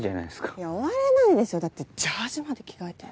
いや終われないですよだってジャージーまで着替えてんのに。